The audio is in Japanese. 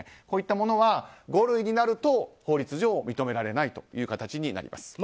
こういったものは五類になると法律上認められない形になります。